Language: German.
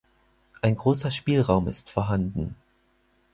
Ein großer Spielraum ist vorhanden.